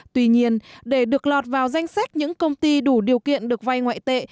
tuy nhiên để được lọt vào danh sách những công ty đủ điều kiện được vay ngoại tệ